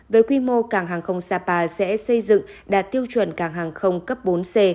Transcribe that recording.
với quy mô cảng hàng không sapa sẽ xây dựng đạt tiêu chuẩn cảng hàng không cấp bốn c